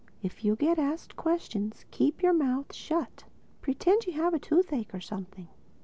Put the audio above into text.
If you get asked questions, keep your mouth shut. Pretend you have a toothache or something."